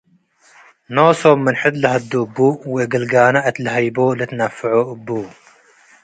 ኖሶም ምን ሕድ ለለሀዱ እቡ ወእግል ጋና እት ለሀይቦ ለልትነፍዖ እቡ ።